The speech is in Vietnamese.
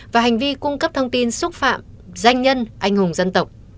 và hành vi cung cấp thông tin xúc phạm danh nhân anh hùng dân tộc